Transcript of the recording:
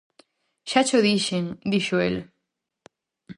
Xa cho dixen, dixo el.